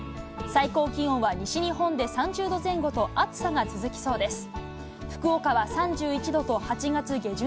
最高気温は西日本で３０度前後と、暑さが続きそうです。